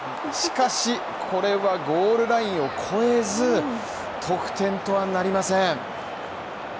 しかし、これはゴールラインを越えず得点とはなりません。